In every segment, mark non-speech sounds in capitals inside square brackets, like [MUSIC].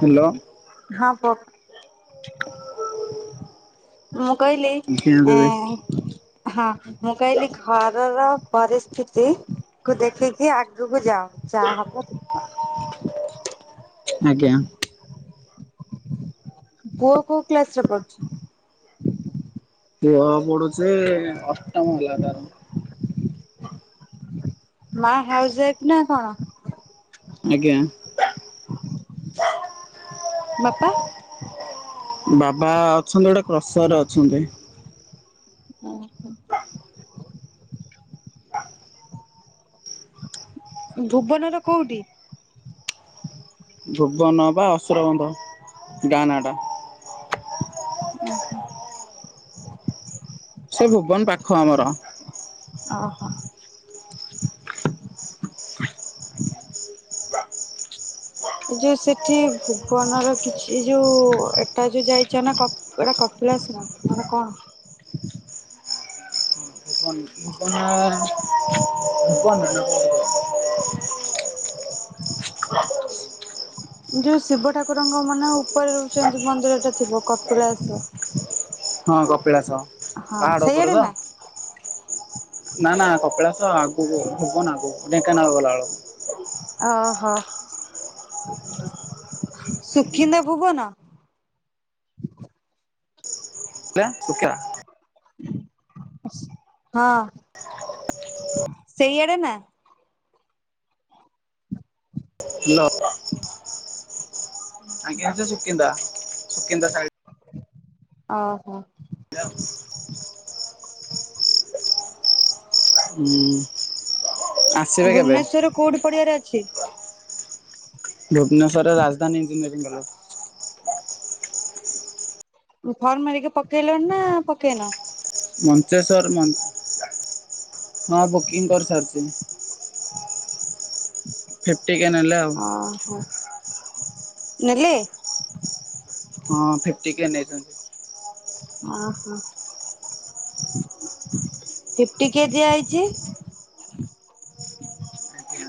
Hello. ହଁ [UNINTELLIGIBLE] ମୁଁ କହିଲି ଆଜ୍ଞା ଦିଦି ଏଁ ହଁ ମୁଁ କହିଲି ଘରର ପରିସ୍ଥିତି କୁ ଦେଖିକି ଆଗୁକୁ ଯାଅ ଯାହା ହବ ଦେ ଆଜ୍ଞା। ପୁଅ କୋଉ କ୍ଲାସ ରେ ପଢୁଛି? ପୁଅ ପଢୁଛି ଅଷ୍ଟମ ହେଲା ତାର। ମା ହାଉସ୍ ୱାଇଫ ନା କଣ? ଆଜ୍ଞା। ବାପା। ବାବା ଅଛନ୍ତି ଗୋଟେ କ୍ରସରରେ ଅଛନ୍ତି। ଉଁହୁଁ। ଭୁବନର କୋଉଠି? ଭୁବନ ପା ଅସୁରବନ୍ଧ ଗାଁ ନାଟା। [UNINTELLIGIBLE] ସେଇ ଭୁବନ ପାଖ ଆମର। ଅଃ। ଯୋଉ ସେଠି ଭୁବନର କିଛି ଯୋଉ ଏଟା ଯୋଉ ଯାଇଚ ନା କ ଏଟା କପଳାସ [UNINTELLIGIBLE] କଣ? [UNINTELLIGIBLE] ଯୋଉ ଶିବ ଠାକୁରଙ୍କ ମାନେ ଉପରେ ରୋହୁଚନ୍ତି ମନ୍ଦିରଟେ ଥିବ କପିଳାସ। ହଁ କପିଳାସ ହଁ ପାହାଡ଼ ଉପରେ ସେଇଆଡେ ତ? ନା ନା ନା କପିଳାସ ଆଗୁକୁ ଭୁବନ ଆଗୁକୁ ଢେଙ୍କାନାଳ ଗଲା [UNINTELLIGIBLE] ଅଃ ସୁକିନ୍ଦା ଭୁବନ। [INAUDIBLE] [UNINTELLIGIBLE] ହଁ ସେଇଆଡେ ନା? [UNINTELLIGIBLE] ଆଜ୍ଞା [UNINTELLIGIBLE] ସୁକିନ୍ଦା ସୁକିନ୍ଦା ସାଇଡ। ଅଃ। [UNINTELLIGIBLE] ହୁଁ। ଆସିବେ କେବେ ଭୁବନେଶ୍ୱରର କୋଉଠି [UNINTELLIGIBLE] ଅଛି? ଭୁବନେଶ୍ୱରରେ ରାଜଧାନୀ ଇଞ୍ଜିନୀୟରିଂ କଲେଜ। ଉଁ ଫର୍ମ ହେରିକା ପକେଇଲଣି ନା ପକେଇନ? ମଞ୍ଚେଶ୍ୱର ମନ୍ ହଁ ବୁକିଂ କରିସାରିଚି। ଫିଫ୍ଟ କେ ନେଲେ ଆଉ। ଅଃ ନେଲେ? ହଁ ଫିଫ୍ଟି କେ ନେଇଛନ୍ତି। ଓହୋ ଫିଫ୍ଟି କେ ଦିଆହେଇଚି। ଆଜ୍ଞା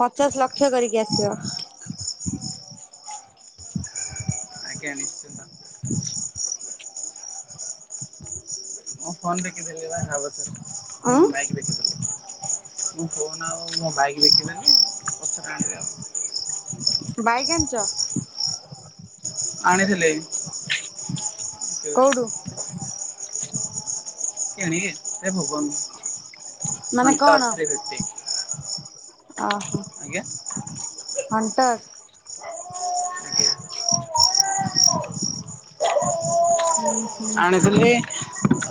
ପଚାଶ ଲକ୍ଷ କରିକି ଆସିବ। ଆଜ୍ଞା ନିଶ୍ଚିନ୍ତ। ମୁଁ ଫୋନ୍ ଦେଖିଦେଲି ବା ହବନି ପୁଣି ଉଁ ବାଇକ୍ ଦେଖିଦେଲିି ମୁଁ ଫୋନ୍ ଆଉ ମୋ ବାଇକ୍ ଦେଖିବେନି ପଛରେ ଆଣିବେ ଆଉ। ବାଇକ୍ ଆଣିଚ? ଆଣିଥିଲିଏଇ କଉଠୁ? ଏ ଭୁବନରୁ ମାନେ କଣ ହଣ୍ଟରଥ୍ରୀ ଫିପିଟି। ଓହୋ। ଆଜ୍ଞା। ହଣ୍ଟର। ଆଜ୍ଞା ହୁଁ। ହୁଁ ଆଣିଥିଲି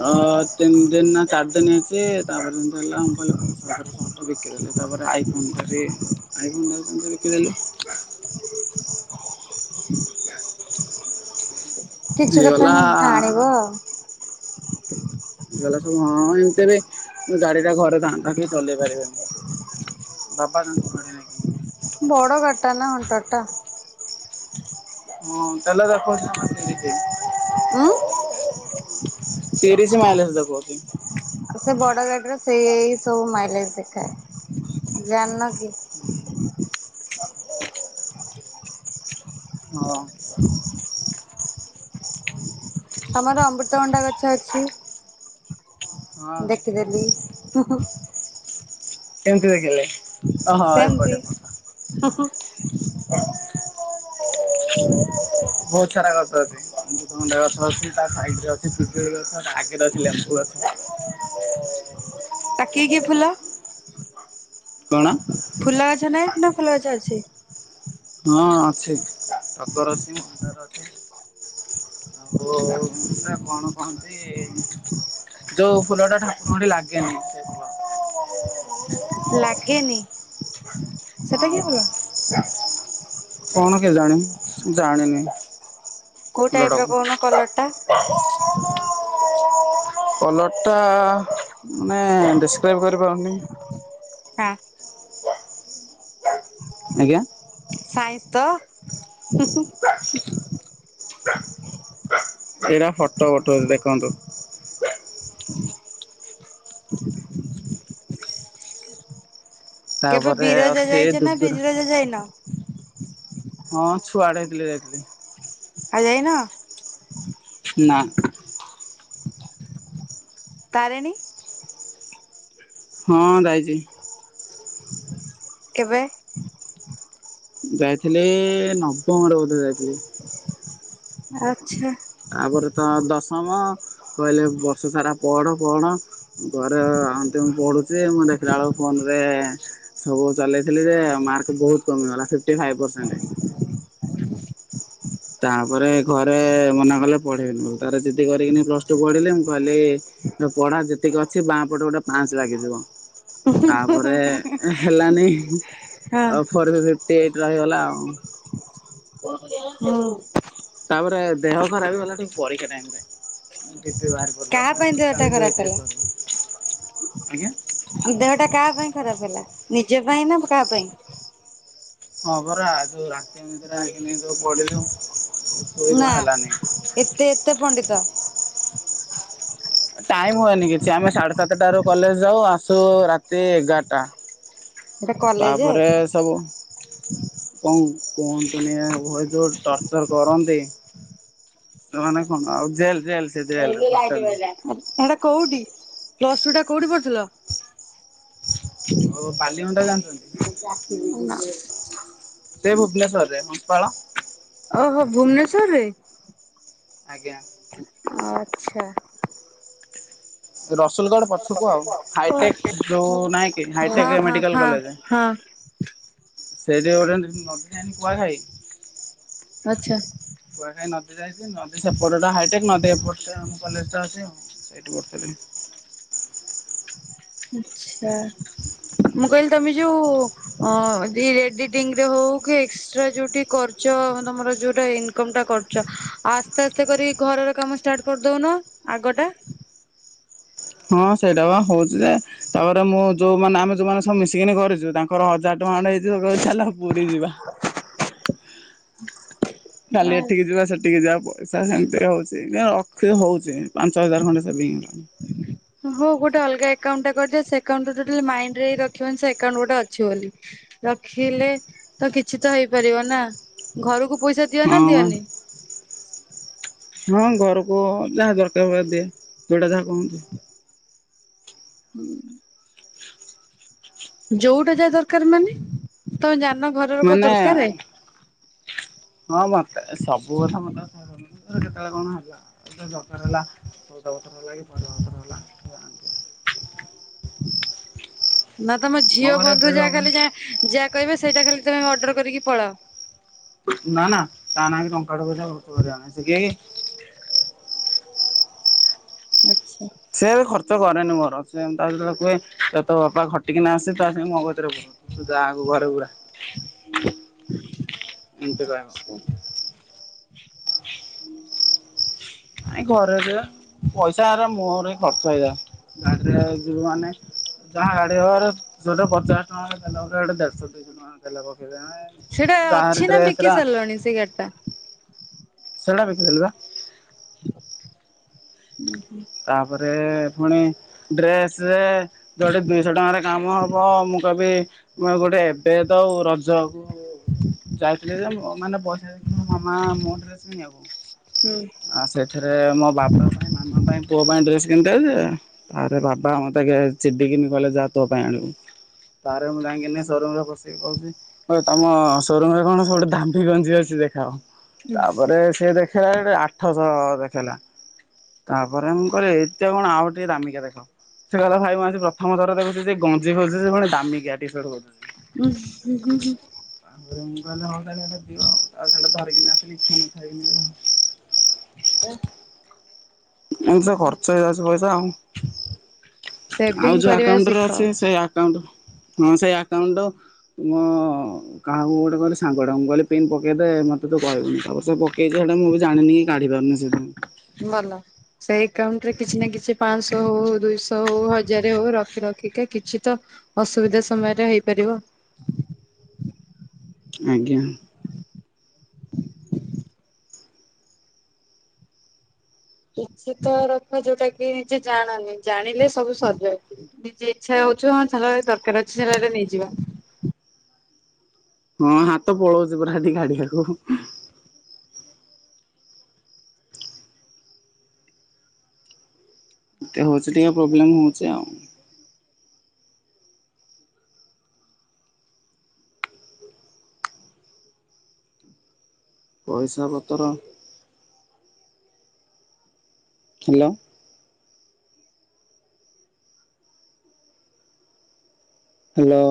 ଅ ତିନି ଦିନି ନା ଚାରି ଦିନି ହେଇଚି ତାପରେ ଏମିତି ହେଲା ମୁଁ କହିଲି ସରଶହ [INAUDIBLE] ଟା ବିକିଦେଲି ତାପରେ ଆଇ ଫୋନ ଟା ବି ଆଣିବି ମୁଁ ବିକି ଦେଲି। କିଛି କଥା ହେଇଗଲା ନାହିଁ ଆଣିବ ଆଉ। ହେଇଗଲା ସବୁ ହଁ ଏମିତି ବି ଗାଡି ଟା ଘରେ ଥାଆନ୍ତା କେହି ଚଲେଇ ପାରିବେନି। ବାବା ତାଙ୍କୁ ଘୋଡେଇ ନେଇକି। ବଡ ଗାଡ଼ିଟା ନା ହଣ୍ଟର ଟା। ହଁ ତାହେଲେ ତାକୁ କହିଦେ ଉଁ। ତିରିଶି ମାଇଲେଜ୍ ଦେଖଉଚି। ସେ ବଡ ଗାଡିର ସେଇ ସବୁ ମାଇଲେଜ ଦେଖାଏ ଜାଣିନକି? ଆ [UNINTELLIGIBLE] ହଁ ହଁ। ତମର ଅମୃତଭଣ୍ଡା ଗଛ ଅଛି। ହଁ ଦେଖିଦେଲି। କେମିତି ଦେଖିଲେ? ଓହୋ ଏପଟେ ଏପଟ ସେମିତିହ ହ। ହୁଁ [INAUDIBLE] ବହୁତ ସାରା ଗଛ ଅଛି ଅମୃତ ଭଣ୍ଡା ଗଛ ଅଛି ତା ସାଇଡରେ ଅଛି। ପିଜୁଳି ଗଛ ତା ଆଗେରେ ଅଛି ଲେମ୍ବୁ ଗଛ। ଆ କି କି ଫୁଲ? କଣ? ଫୁଲ ଗଛ ନାଇଁ ନା ଫୁଲ ଗଛ ଅଛି। ହଁ ଅଛି ଟଗର ଅଛି ମନ୍ଦାର ଅଛି। [UNINTELLIGIBLE] ଆଉ ସେଟା କଣ କହନ୍ତି? ଯୋଉ ଫୁଲ ଟା ଠାକୁରଙ୍କଠି ଲାଗେନି। ସେଇଫୁଲ [INAUDIBLE] ଲାଗେନି ସେଟା ହଁ କି ଫୁଲ? କଣ କେଜାଣି ଜାଣିନି। କୋଉ ଟାଇପ ର ଫୁଲଟାକୁ କହୁନ କଲର ଟା? କଲର୍ଟା ମାନେ ଡେସକ୍ରାଇବି କରିପାରୁନି। ହଁ। ଆଜ୍ଞା। ସାଇନ୍ସ ତ? ସେଇଟା ଫଟୋ ପଠଉଚି ଦେଖନ୍ତୁ। କେବେ ତାପରେ ବିରଜା ଅଛି ଯାଇଛ ନା ଦୁଦୁରା ବିରଜା ଯାଇନ। ହଁ ଛୁଆଡେ ହେଇଥିଲେ ଯାଇଥିଲି। ଆଉ ଯାଇନ। ନା। ତାରିଣୀ। ହଁ ଯାଇଛି। କେବେ। ଯାଇଥିଲେ ନବମରେ ବୋଧେ ଯାଇଥିଲି। ଆଛା। ଆପରେ ତ ଦଶମ କହିଲେ ବର୍ଷ ସାରା ପଢ ପଢ। ଘରେ ଅନ୍ତି ମୁଁ ପଢୁଚି ମୁଁ ଦେଖିଲା ବେଳକୁ ଫୋନ ରେ ସବୁ ଚଲେଇଥିଲି ଯେ ମାର୍କ ବହୁତ କମି ଗଲା ଫିପ୍ଟି ଫାଇଫ ପରସେଣ୍ଟ। ତାପରେ ଘରେ ମନା କଲେ ପଢେଇ ବେନି ବୋଲି। ତାପରେ ଜିଦି କରିକିନି ପ୍ଲସଟୁ ପଢିଲେ ମୁଁ କହିଲି ପଢା ଯେତିକି ଅଛି ବା ପଟେ ଗୋଟେ ପାଞ୍ଚ ଲାଗିଯିବ ତାପରେ ହେଲାନି ହଁ ଅଉ ଫୋର୍ ବି ଫିଫ୍ଟି ଏଇଟ୍ ରହିଗଲା ଆଉ। [UNINTELLIGIBLE] ତାପରେ ଦେହ ଖରାପ ଗଲାଟି ପରିକ୍ଷା ଟାଇମିରେ। ବିପି ବାହାରି ପଡିଲା କାହା ଶହେ ପାଇଁ ଦେହଟା ଷଡ଼ଚାଳିସି ଖରାପ ବାଇ ହେଲା ତେସ୍ତାରି ଆଜ୍ଞା। ଦେହଟା କାହା ପାଇଁ ଖରାପ ହେଲା ନିଜ ପାଇଁ ନା କାହା ପାଇଁ। ହଁ ପରା ଯୋଉ ରାତି ଅନିନ୍ଦ୍ରା ହେଇକିନି ଯଉ ପଢିଲୁ। ନା ଏତେ ଏତେ ପଣ୍ଡିତ। ଟାଇମ୍ ହୁଏନି କିଛି ଆମେ ସାଢ଼େ ସାତଟାରୁ କଲେଜ ଯାଉ ଆସୁ ରାତି ଏଗାରଟା। ଏଟା କଲେଜେ ତାପରେ ସବୁ କୌଉଁ କୁହନ୍ତୁନି ଭଏ ଯେଉଁ ଟର୍ଚର୍ କରନ୍ତି। ସୋମାନେ କନ୍ ଆଉ ଜେଲ ଜେଲ। ସେ ଜେଲ ହେଇଲୋ ହଷ୍ଟେଲ ଲାଇଟି ନୁହଁ। ପଇଲା। ଓଉ ବାଲିଗଣ୍ଡା ଜାଣିଛନ୍ତି। [UNINTELLIGIBLE] ସେ ଭୁବନେଶ୍ୱରରେ ହଁସପାଳ। ଓହୋ ଭୁବନେଶ୍ୱର ରେ। ଆଜ୍ଞା। ଆଚ୍ଛା। ରସୁଲଗଡ଼ ପଛକୁ ଆଉ ହାଇଟେକ୍ ଯୋଉ ନାହିଁ କି ହଁ ହାଇଟେକ୍ ହଁ ମେଡିକାଲ ହଁ କଲେଜ। ହଁ। ସେଇଠି ଗୋଟେ ନଦୀ ଆଣି କୁହା ଖାଇ। ଆଛା। କୁଆଖାଇ ନଦୀ ଯାଇଛି ନଦୀ ସେପଟଟା ହାଇଟେକ୍ ନଦୀ ଏପଟଟା ଆମ କଲେଜ ଟା ଅଛି। ସେଇଠି [UNINTELLIGIBLE] ଆଛା ମୁଁ କହିଲି ତମେ ଯୋଉ ହଁ ଯି ଏଡିଟିଂ ରେ ହଉ କି ଏକ୍ସଟ୍ରା ଯୋଉଠି କର୍ଚ ତମର ଯୋଉଟା ଇନକମ ଟା କର। ଚ ଆସ୍ତେ ଆସ୍ତେ କରି ଘରର କାମ ଷ୍ଟାର୍ଟ କରିଦଉନ ଆଗଟା। ହଁ ସେଇଟା ବା ହଉଛି ଯେ ତାପରେ ମୁଁ ଯୋଉମାନେ ଆମେ ଯୋଉମାନେ ସବୁ ମିଶିକିନି କରିଛୁ ତାଙ୍କର ହଜାର ଫଣ୍ଡ ହେଇଯିବ ଚାଲ ପୁରୀ ଯିବା। [INAUDIBLE] ଖାଲି ଏଠିକି ଯିବା ସେଠିକି ଯାପ। ପଇସା ସେମିତି ହେଉଛି ରଖି ହେଉଛି ପାଞ୍ଚ ହଜାର ଖଣ୍ଡେ ସେଭିଙ୍ଗ। ହୁଁ [UNINTELLIGIBLE] ହଉ ଗୋଟେ ଅଲଗା ଏକକାଉଣ୍ଟ ଟା କରିଦ ସେଣ୍ଟ ମରେ ରଖିବନ ସେକାଉଣ୍ଟ ଗୋଟେ ଅଛି ବୋଲି। ରଖିଲେ ତ କିଛି ତ ହେଇପାରିବ ନା ଘରକୁ ପଇସା ଦିଅ ନା ହଁ ବା ଦିଅନି? ହଁ ଘରକୁ ଯାହା ଦରକାର ଦିଏ ଯୋଉଟା ଯାହା କୁହନ୍ତିୁ। ହୁଁ। ଯୋଉଟା ଯାହା ଦରକାର ମାନେ ତମେ ଜାଣିନ ଘ ମାନେ ହଁ ମତେ ସବୁ କଥା ମତେ ମୋର କେତେବେଳେ କଣ ହବ। [UNINTELLIGIBLE] ନା ତମ ଆମ ଝିଅ ଘରେ ଏବେ ବନ୍ଧୁ ଯାହା ହବନି କାଲି ଯା ଯାହା କହିବେ ସେଇଟା ଖାଲି ତୁମେ ଅର୍ଡ଼ର କରିକି ପଳାଅ। ନା ନା ତା ନାଁ ଟଙ୍କାଟେ ସେ କିଏକି? ଲଗଚ୍ଛା। ସେଏ ବି ଖର୍ଚ୍ଚ କରେନି ମୋର ସେ ତା ଯେତେବେଳେ କୁହେ ତୋ ବାପା ଖଟିକି ନା ଆସି ତା ସାଙ୍ଗ ମକତିରେ ବସେ। ଧାହାକୁ ଘର ଗୁଡା ଏମିତି କହିବ। ନାଇ ଘରେ ପଇସା ହେରା ମୁହରେ ଖର୍ଚ୍ଚ ହେଇଥାଏ ଗାଡିରେ। ତୁ ମାନେ? ହାଁ ଗାଡି ଘରରେ ଯୋଟେ ପଚାଶ ଟଙ୍କା ତେଲ ପକେଇଲେ ଦେଢଶହ ଦୁଶହ ଟଙ୍କା ଦେଲା ପକେଇ। ସେଇଟା ଅଛି ନା ବିକି ସାରିଲଣି ସେଇ ଗାଡ଼ିଟା? ସେଇଗୁଡ଼ା ବିକି ଦେଲିପା। ହୁଁ ହୁଁ। ତାପରେ ପୁଣି ଡ୍ରେସରେ ଯୋଉଠି ଦୁଇଶହ ଟଙ୍କାରେ କାମ ହବ ମୁଁ କହିବି ମୁଁ ଗୋଟେ ଏବେ ତଉ ରଜକୁ ଯାଇଥିଲି ଯେ ମାନେ ପଇସା ଦେଖ ମାମା [UNINTELLIGIBLE] ଆକୁ ହୁଁ। ଆଉ ସେଥିରେ ମୋ ବାପା ପାଇଁ ମାମା ପାଇଁ ପୁଅ ପାଇଁ ଡ୍ରେସ କିଣିଥାନ୍ତି ଯେ ତାରେ ବାବା ମତେ ଚିଡିିକି କଲେ ଯା ତୋ ପାଇଁ ଆଣିବୁ। ତରେ ମୁଁ ଯାଇକିନି ସୋରୁମ୍ ରେ ପସିକି କହୁଛି। ହ ତମ ସୋରୁମ୍ ରେ କଣ ସବୁଠୁ ଦାମୀ ଗଞ୍ଜି ଅଛି ଦେଖା। ତାପରେ ସେ ଦେଖେଇଲା ଆଠଶହ ଦେଖେଇଲା। ବରେ କହ ଏତେ କଣ ଆଉ ଟିକେ ଦାମିକା ଦେଖାଅ। ସେତାଟ ଭାଇ ମାଉସୀ ପ୍ରଥମ ଥର ଦେଖୁଛି ଯେ ଗଞ୍ଜି ଖୋଜୁଛି ସେ ଦାମିକିଆ ଟିସାଟ ଖୋଜୁଛି। ହୁଁ ହୁଁ ହୁଁ ହୁଁ। ତାପରେ ମୁଁ କହିଲେ କାଲି ସେଟା ପିଇବା ଆଉ ସେଟା କାଲି ଧରିକିନି ଆସିବୁ। ଖି ଏଁ ଏ ତ ଖର୍ଚ୍ଚ ହେଇଯାଉଛି ପଇସା ଆଉ ସେଭିଂ ଆଉ ଯଉ କରିବା ଆକାଉଣ୍ଟରେ ଶିଖ। ଅଛି ସେଆ ଆକାଉଣ୍ଟ ହଁ ସେଇ ଆକାଉଣ୍ଟରୁ କାହାକୁ ଗୋଟେ କଲେ ସାଙ୍ଗଟାଙ୍କୁ କହିଲ ପନ୍ ପକେଇଦେ ମତେ କହିବୁ ତାପରେ ସେ ପକ ସେଟା ମୁଁ ବି ଜାଣିନି କି କାଢି ପାରୁନି। ଯଦି ଭଲ ସେଇ ଏକାଉଣ୍ଟରେ କିଛି ନା କିଛି ପାଞ୍ଚଶହ ହଉ ଦୁଇଶହ ହଉ ହଜାରେ ହଉ ରଖି ରଖିକା କିଛି ତ ଅସୁବିଧା ସମୟରେ ହେଇପାରିବ। ଆଜ୍ଞା। କିଛି ତ ରଖ ଯୋଉଟା କି ନିଜେ ଜାଣନି ଜାଣିଲେ ସବୁ ସରି ଜାଇଛି। ନିଜେ ଇଚ୍ଛା ହଉଛୁ ଦରକାର ଅଛି ରେ ନେଇଯିବା। ହଁ ହାତ ପଳଉଛି ପୁରା ହେଠି ଗାଡିଆକୁ। ଟେ ହଉଛି ଟିକେ ପ୍ରୋବ୍ଲେମ ହଉଛି ଆଉ। ପଇସା ପତ୍ର ଖିଲ। ହ୍ୟାଲୋ।